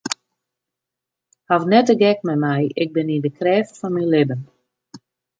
Haw net de gek mei my, ik bin yn de krêft fan myn libben.